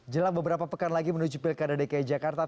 jelang beberapa pekan lagi menuju pilkada dki jakarta